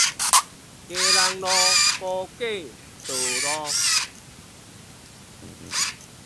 基隆路高架道路